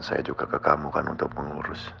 saya juga ke kamu kan untuk mengurus